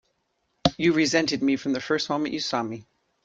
You've resented me from the first moment you saw me!